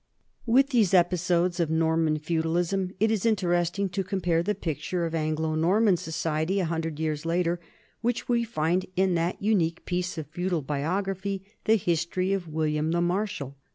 With these episodes of Norman feudalism it is inter esting to compare the picture of Anglo Norman society a hundred years later which we find in that unique piece of feudal biography, the History of William the Marshal.